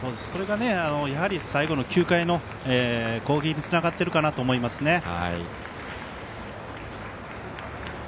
それがやはり最後の９回の攻撃につながってるかなと思いますね。